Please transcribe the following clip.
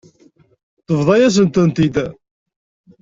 Tebḍa-yasent-tent-id.